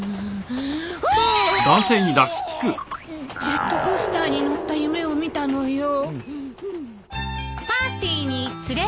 ジェットコースターに乗った夢を見たのよ。